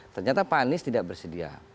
ternyata pak anies tidak bersedia